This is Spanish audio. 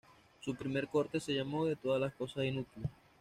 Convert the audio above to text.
Su primer corte se llamó "De todas las cosas inútiles".